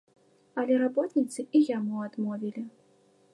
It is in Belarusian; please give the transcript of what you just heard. Але работніцы і яму адмовілі.